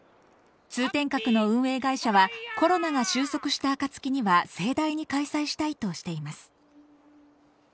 通天閣の運営会社はコロナが終息したあかつきには盛大に開催したいとしています。